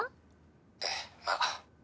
「ええまあ」